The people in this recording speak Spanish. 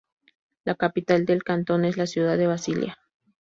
La capital del cantón es la ciudad de Basilea.